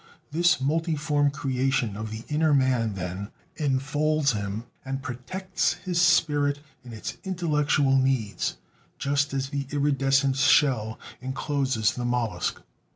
This multiform creation of the inner man, then, enfolds him and protects his spirit in its intellectual needs, just as the iridescent shell encloses the mollusc.